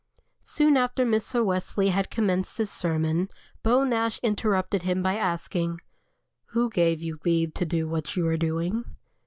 Soon after Mr. Wesley had commenced his sermon, Beau Nash interrupted him by asking: "Who gave you leave to do what you are doing?"